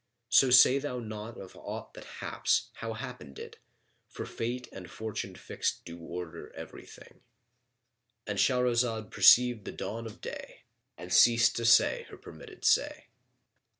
So say thou not of aught that haps, 'How happened it?' For Fate and fortune fixed do order everything.[FN#34]" —And Shahrazad perceived the dawn of day and ceased to say her permitted say.